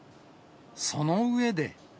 その上で。